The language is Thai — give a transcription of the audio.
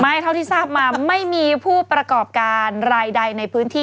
เท่าที่ทราบมาไม่มีผู้ประกอบการรายใดในพื้นที่